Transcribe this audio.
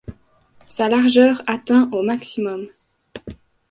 Sa largeur atteint au maximum.